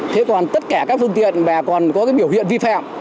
thế còn tất cả các phương tiện mà còn có biểu hiện vi phạm